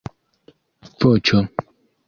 voĉo